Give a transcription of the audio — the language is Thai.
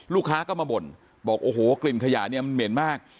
ลูกค้าก็มาบ่นบอกโอ้โหกลิ่นขยะเนี่ยมันเหม็นมาก